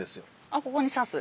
あっここに挿す？